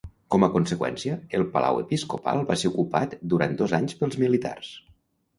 Com a conseqüència, el Palau Episcopal va ser ocupat durant dos anys pels militars.